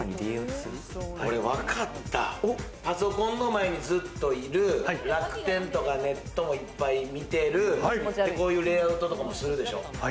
俺分かった、パソコンの前にずっといる、楽天とかネットもいっぱい見てる、レイアウトとかもするでしょ。